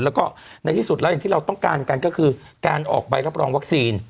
แล้วก็ในที่สุดแล้วอย่างที่เราต้องการกันก็คือการออกใบรับรองวัคซีน